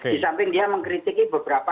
disamping dia mengkritiki beberapa